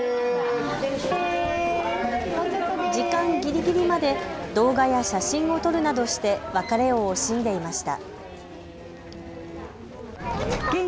時間ぎりぎりまで動画や写真を撮るなどして別れを惜しんでいました。